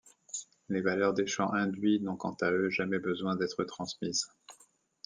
Les valeurs des champs induits n'ont quant à eux jamais besoin d'être transmises.